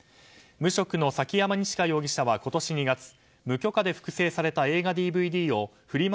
無職の崎山二千花容疑者は今年２月無許可で複製された映画ＤＶＤをフリマ